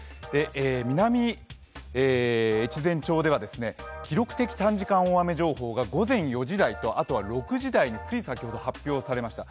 南越前町では記録的短時間大雨情報が午前５時台と、あとは６時台に、つい先ほど発表されました。